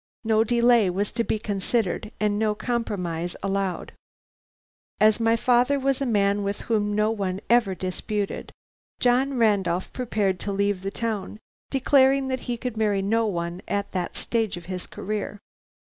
No delay was to be considered and no compromise allowed. "As my father was a man with whom no one ever disputed, John Randolph prepared to leave the town, declaring that he could marry no one at that stage of his career.